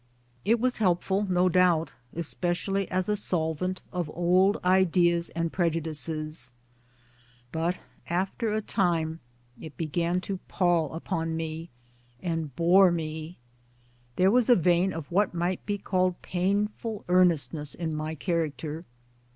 It was helpful no doubt especially as a solvent of old 1 ideas and prejudices ; but after a time it began to pall upon me and bore me. There was a vein of what might be called painful earnestness in my character.